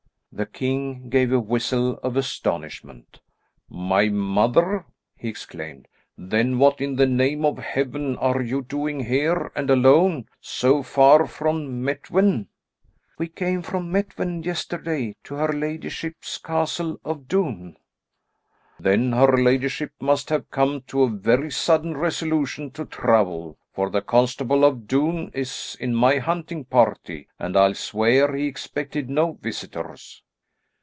The king gave a whistle of astonishment. "My mother!" he exclaimed. "Then what in the name of Heaven are you doing here and alone, so far from Methven?" "We came from Methven yesterday to her ladyship's castle of Doune." "Then her ladyship must have come to a very sudden resolution to travel, for the constable of Doune is in my hunting party, and I'll swear he expected no visitors."